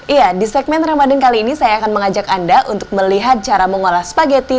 iya di segmen ramadan kali ini saya akan mengajak anda untuk melihat cara mengolah spaghetti